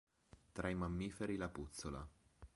Tra i mammiferi la puzzola.